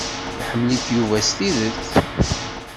Iḥemmel-ik Yuba s tidet.